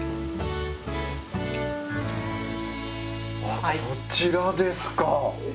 あっこちらですか。